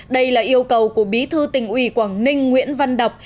đây là yêu cầu của bí thư tỉnh ủy quảng ninh nguyễn văn đọc